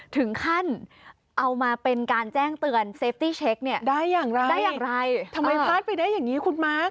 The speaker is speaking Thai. ทำไมพลาสไปได้อย่างนี้คุณมาร์ค